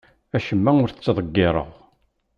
Acemma ur t-ttḍeggireɣ.